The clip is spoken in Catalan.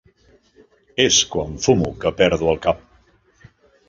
És quan fumo que perdo el cap.